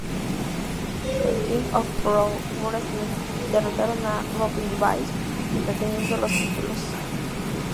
En King of Pro-Wrestling, derrotaron a Roppongi Vice, reteniendo los títulos.